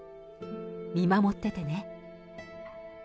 見守っててね。